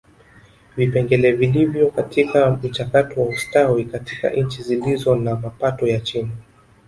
Vipengele vilivyo katika mchakato wa ustawi katika nchi zilizo na mapato ya chini